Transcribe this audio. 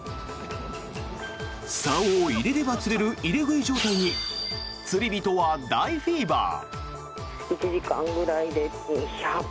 さおを入れれば釣れる入れ食い状態に釣り人は大フィーバー。